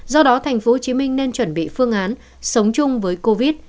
do đó tp hcm nên chuẩn bị phương án sống chung với covid